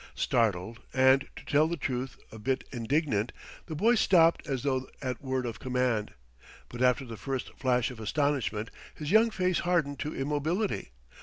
Startled and, to tell the truth, a bit indignant, the boy stopped as though at word of command. But after the first flash of astonishment his young face hardened to immobility.